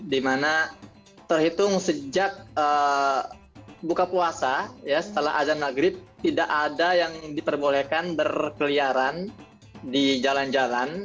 di mana terhitung sejak buka puasa setelah azan maghrib tidak ada yang diperbolehkan berkeliaran di jalan jalan